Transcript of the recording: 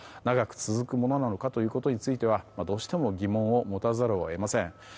長く続くものなのかということについてはどうしても疑問を持たざるを得ません。